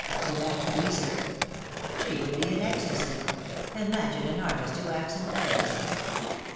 " Would that please her?" ^^She would be in ecstasy. Imagine an artist who acts in plays